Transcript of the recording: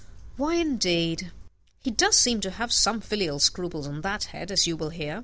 "Why, indeed, he does seem to have had some filial scruples on that head, as you will hear."